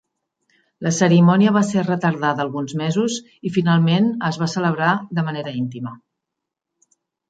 La cerimònia va ser retardada alguns mesos i finalment es va celebrar de manera íntima.